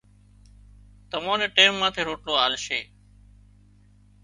تمان نين ٽيم ماٿي روٽلو آلشي